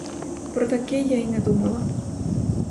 Про таке я й не думала.